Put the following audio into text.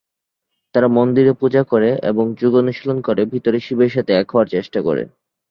তারা মন্দিরে পূজা করে এবং যোগ অনুশীলন করে, ভিতরে শিবের সাথে এক হওয়ার চেষ্টা করে।